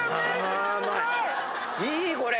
いいこれ！